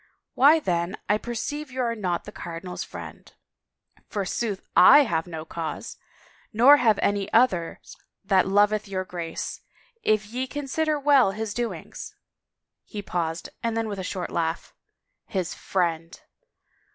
"Why then I perceive you are not the cardinal's friend." " Forsooth, / have no cause !... Nor have any others that loveth your Grace, if ye consider well his doings." She paused and then with a short laugh, " His friend!''